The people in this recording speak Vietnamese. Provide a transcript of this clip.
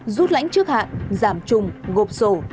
rút lãnh trước hạn giảm trùng gộp sổ